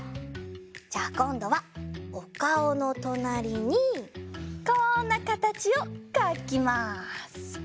じゃあこんどはおかおのとなりにこんなかたちをかきます。